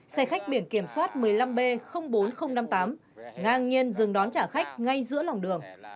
xe khách biển kiểm soát một mươi năm b bốn nghìn năm mươi tám ngang nhiên dừng đón trả khách ngay giữa lòng đường